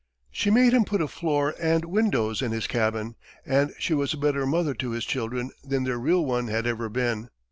She made him put a floor and windows in his cabin, and she was a better mother to his children than their real one had ever been.